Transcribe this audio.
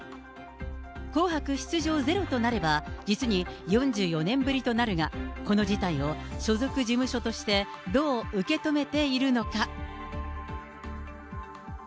紅白出場ゼロとなれば、実に４４年ぶりとなるが、この事態を所属事務所としてどう受け止めているのか。